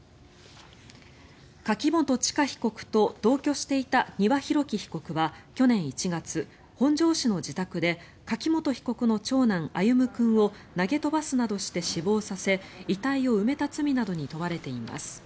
柿本知香被告と同居していた丹羽洋樹被告は去年１月、本庄市の自宅で柿本被告の長男・歩夢君を投げ飛ばすなどして死亡させ遺体を埋めた罪などに問われています。